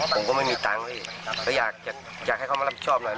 ผมก็ไม่มีตังค์พี่ก็อยากให้เขามารับผิดชอบหน่อย